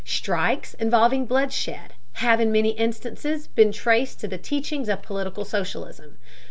Strikes involving bloodshed have in many instances been traced to the teachings of political socialism.